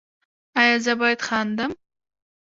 ایا زه باید خندم؟